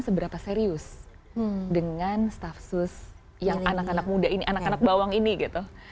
seberapa serius dengan staff sus yang anak anak muda ini anak anak bawang ini gitu